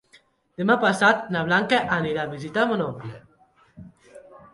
Demà passat na Blanca anirà a visitar mon oncle.